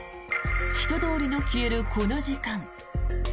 人通りの消えるこの時間。